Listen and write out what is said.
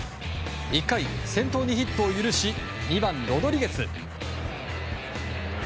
１回、先頭にヒットを許し２番、ロドリゲス。